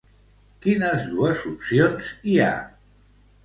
Quines dues opcions hi ha?